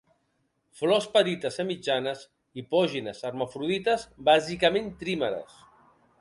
Flors petites a mitjanes, hipògines, hermafrodites, bàsicament trímeres.